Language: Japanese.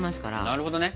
なるほどね。